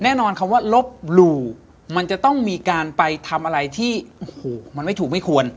แน่นอนคำว่าลบหลู่มันจะต้องมีการไปทำอะไรที่โอ้โหมันไม่ถูกไม่ควร